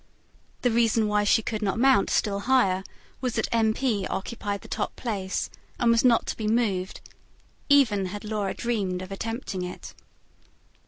The reason why she could not mount still higher was that M. P. occupied the top place, and was not to be moved, even had Laura dreamed of attempting it.